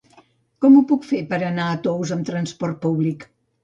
Com ho puc fer per anar a Tous amb transport públic?